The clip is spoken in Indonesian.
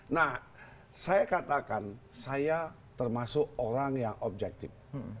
nah saya katakan saya termasuk orang yang objektif